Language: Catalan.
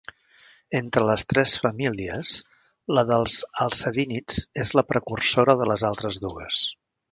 Entre les tres famílies, la dels alcedínids és la precursora de les altres dues.